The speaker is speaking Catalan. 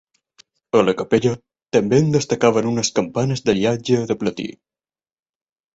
A la capella també en destacaven unes campanes d'aliatge de platí.